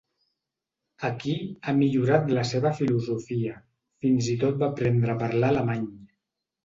Aquí, ha millorat la seva filosofia, fins i tot va aprendre parlar alemany.